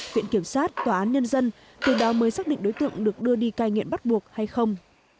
viện kiểm sát tòa án nhân dân từ đó mới xác định đối tượng được đưa đi cai nghiện bắt buộc hay không